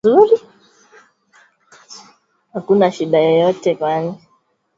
Vidonda vya tumbo na matone ya damu kwenye mfumo wa usagaji au umengenyaji chakula